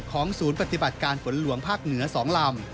ศูนย์ปฏิบัติการฝนหลวงภาคเหนือ๒ลำ